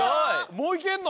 もういけんの！？